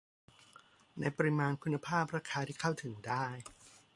ในปริมาณ คุณภาพ ราคาที่เข้าถึงได้